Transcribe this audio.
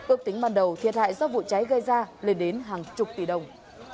ước tính ban đầu thiệt hại do vụ cháy gây ra lên đến hàng chục tỷ đồng